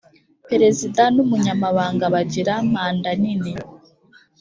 perezida n umunyamabanga bagira mandanini